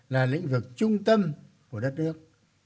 là lĩnh vực trung tâm của đất nước